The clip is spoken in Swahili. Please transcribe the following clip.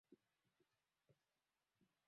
watoto milioni tatu wanaishi na virusi vya ukimwi